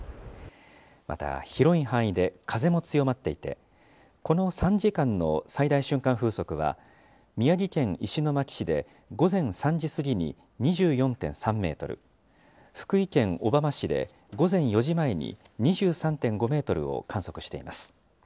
また広い範囲で風も強まっていて、この３時間の最大瞬間風速は、宮城県石巻市で午前３時過ぎに２４．３メートル、福井県小浜市で午前４時前に２３．５メートルを観測しています。